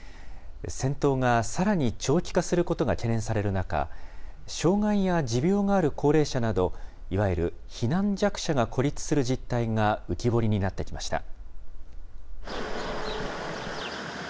戦闘がさらに長期化することが懸念される中、障害や持病がある高齢者など、いわゆる避難弱者が孤立する実態が浮き彫りになってきました。